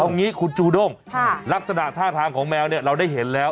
เอางี้คุณจูด้งลักษณะท่าทางของแมวเนี่ยเราได้เห็นแล้ว